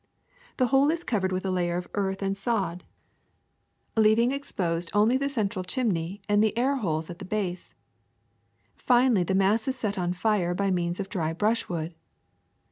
The whole is covered with a layer of earth and sod, leaving ex WOOD AND CHARCOAL 115 posed only the central chimney and the air holes at the base. Finally, the mass is set on fire by means of dry brushwood.